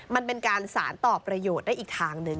มันเป็นการสารต่อประโยชน์ได้อีกทางหนึ่ง